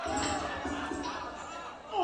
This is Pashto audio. زموږ پر مځکه په هوا کي دښمنان دي.